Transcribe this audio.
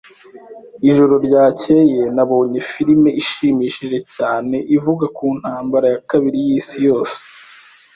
Ijoro ryakeye nabonye filime ishimishije cyane ivuga ku Ntambara ya Kabiri y'Isi Yose.